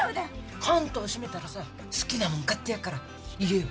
関東シメたらさ好きなもん買ってやっから言えよ。